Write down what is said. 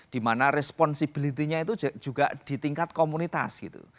dimana responsibility nya itu juga di tingkat komunitas gitu